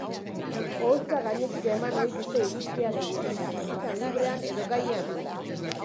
Oholtza gainetik eman ohi dute iritzia gehienetan, izan librean edo gaia emanda.